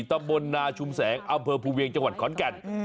ตำบลนาชุมแสงอำเภอภูเวียงจังหวัดขอนแก่น